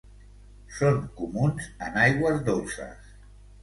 Són comuns en aigües dolces.